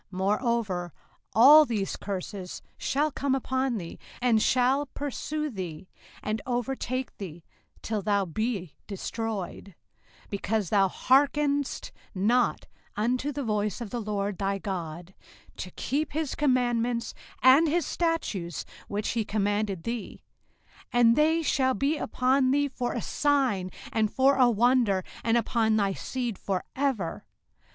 05:028:045 Moreover all these curses shall come upon thee, and shall pursue thee, and overtake thee, till thou be destroyed; because thou hearkenedst not unto the voice of the LORD thy God, to keep his commandments and his statutes which he commanded thee: 05:028:046 And they shall be upon thee for a sign and for a wonder, and upon thy seed for ever.